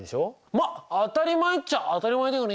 まっ当たり前っちゃ当たり前だよね。